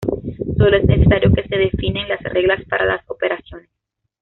Sólo es necesario que se definen las reglas para las operaciones.